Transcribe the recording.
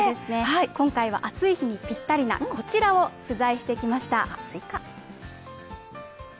今回は暑い日にぴったりなこちらを取材してきました。